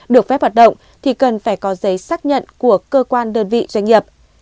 được phép hoạt động thì cần phải có giấy xác nhận của cơ quan đơn vị doanh nghiệp